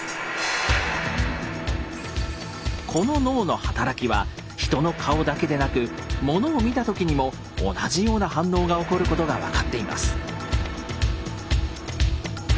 この脳の働きは人の顔だけでなくモノを見た時にも同じような反応が起こることが分かっています。